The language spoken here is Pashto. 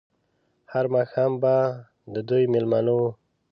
هر ماښام به د دوی مېلمانه وو.